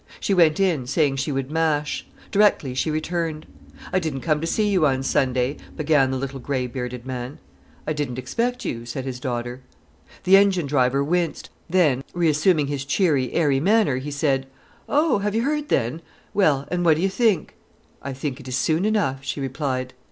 She went in, saying she would mash. Directly, she returned. "I didn't come to see you on Sunday," began the little grey bearded man. "I didn't expect you," said his daughter. The engine driver winced; then, reassuming his cheery, airy manner, he said: "Oh, have you heard then? Well, and what do you think——?" "I think it is soon enough," she replied.